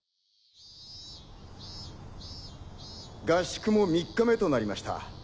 合宿も３日目となりました。